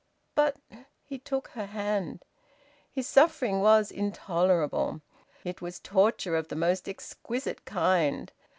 "But " He took her hand. His suffering was intolerable. It was torture of the most exquisite kind.